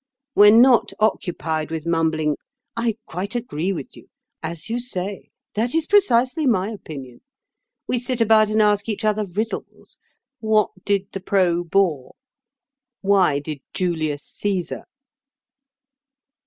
When not occupied with mumbling, 'I quite agree with you'—'As you say'—'That is precisely my opinion'—we sit about and ask each other riddles: 'What did the Pro Boer?' 'Why did Julius Cæsar?